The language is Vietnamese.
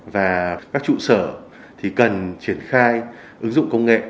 và các trụ sở thì cần triển khai ứng dụng công nghệ